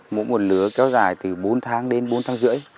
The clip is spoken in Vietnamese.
mỗi một lứa kéo dài từ bốn tháng đến bốn tháng rưỡi